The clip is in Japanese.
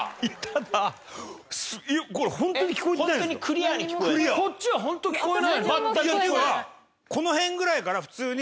っていうかこの辺ぐらいから普通に。